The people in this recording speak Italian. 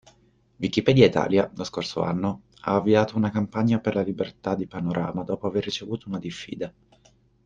Wikipedia Italia, lo scorso anno, ha avviato una campagna per la Libertà di Panorama dopo aver ricevuto una diffida.